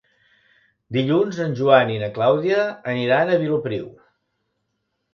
Dilluns en Joan i na Clàudia aniran a Vilopriu.